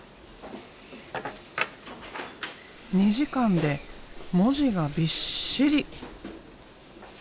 ２時間で文字がびっしり。